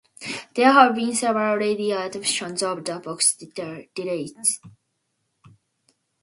There have been several radio adaptations of "The Box of Delights".